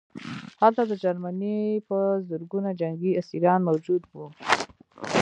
هلته د جرمني په زرګونه جنګي اسیران موجود وو